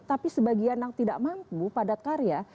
tapi sebagian yang tidak mampu padat karya